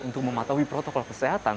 untuk mematuhi protokol kebersihan